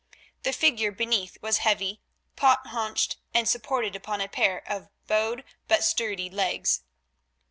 The figure beneath was heavy, pot haunched, and supported upon a pair of bowed but sturdy legs.